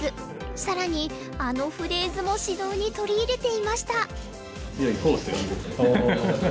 更にあのフレーズも指導に取り入れていました。